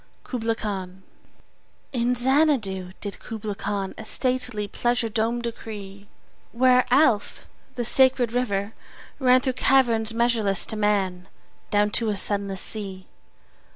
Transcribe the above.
Kubla Khan IN Xanadu did Kubla Khan A stately pleasure dome decree: Where Alph, the sacred river, ran Through caverns measureless to man Down to a sunless sea.